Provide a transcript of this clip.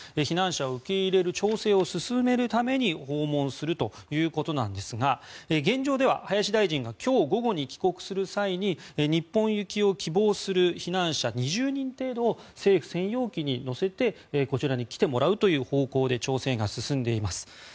避難者を受け入れる調整を進めるために訪問するということなんですが現状では林大臣が今日午後に帰国する際に日本行きを希望する避難者２０人程度を政府専用機に乗せてこちらに来てもらうという方向で調整が進んでいます。